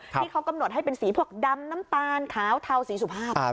ที่เขากำหนดให้เป็นสีพวกดำน้ำตาลขาวเทาสีสุภาพ